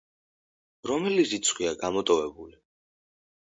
რომელი რიცხვია გამოტოვებული?